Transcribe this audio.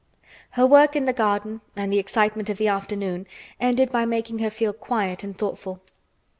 Her work in the garden and the excitement of the afternoon ended by making her feel quiet and thoughtful.